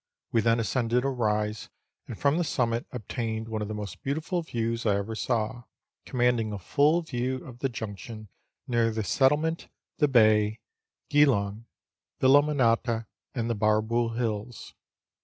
We then ascended a rise, and from the summit obtained one of the most beautiful views I ever saw, commanding a full view of the junction near the settlement, the bay, Geelong, Villamanata, and the Barrabool Hills.